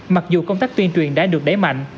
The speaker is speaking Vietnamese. mặc dù công tác tuyên truyền đã được đẩy mạnh